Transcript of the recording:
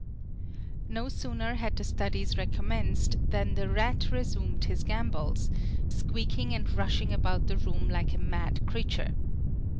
No sooner had the studies recommenced than the rat resumed his gambols, squeaking and rushing about the room like a mad creature.